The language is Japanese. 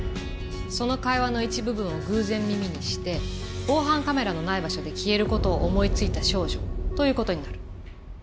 その会話の一部分を偶然耳にして防犯カメラのない場所で消える事を思いついた少女という事になる。